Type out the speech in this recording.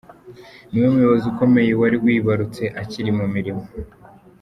Ni we muyobozi ukomeye wari wibarutse akiri mu mirimo.